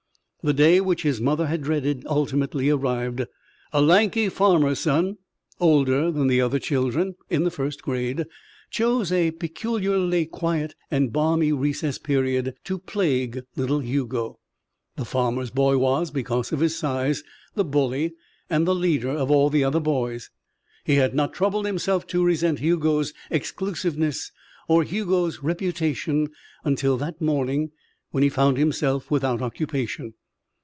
The day which his mother had dreaded ultimately arrived. A lanky farmer's son, older than the other children in the first grade, chose a particularly quiet and balmy recess period to plague little Hugo. The farmer's boy was, because of his size, the bully and the leader of all the other boys. He had not troubled himself to resent Hugo's exclusiveness or Hugo's reputation until that morning when he found himself without occupation.